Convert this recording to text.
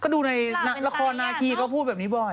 ดูในละครานากี่เค้าพูดแบบนี้บ่อย